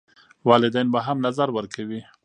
والدین به هم نظر ورکوي.